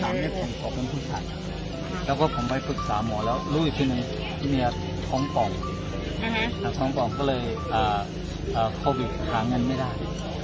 อันนี้คนที่๓ผมขอบคุณผู้ชายแล้วก็ผมไปฝึกษาหมอแล้วรู้อีกทีมีเมียท้องปองก็เลยโควิดหาเงินไม่ได้